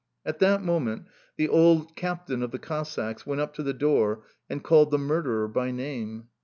At that moment the old captain of the Cossacks went up to the door and called the murderer by name.